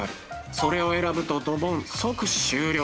それを選ぶとドボン即終了。